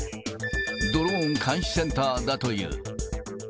ドローン監視センターだという。